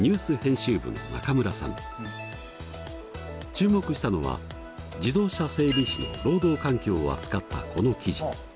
注目したのは自動車整備士の労働環境を扱ったこの記事。